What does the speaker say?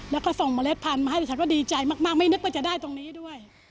แล้วก็ส่งเมล็ดพันธุ์มาให้ดิฉันก็ดีใจมากไม่นึกว่าจะได้ตรงนี้ด้วย